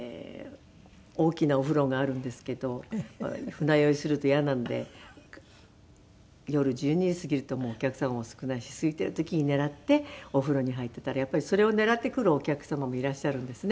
船酔いすると嫌なんで夜１２時過ぎるとお客さんは少ないしすいている時に狙ってお風呂に入っていたらやっぱりそれを狙って来るお客様もいらっしゃるんですね。